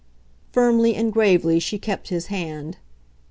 Firmly and gravely she kept his hand.